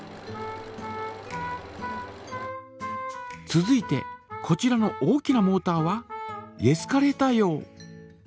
続いてこちらの大きなモータはエスカレーター用。